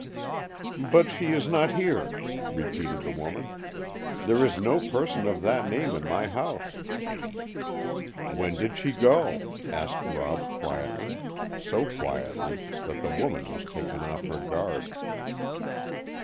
"But she is not here," repeated the woman. "There is no person of that name in my house." "When did she go?" asked Rob quietly—so quietly that the woman was taken off her guard.